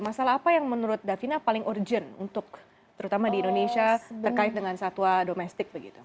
masalah apa yang menurut davina paling urgent untuk terutama di indonesia terkait dengan satwa domestik begitu